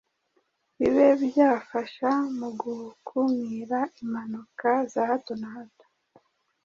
bibe byafasha mu gukmira impanuka za hato na hato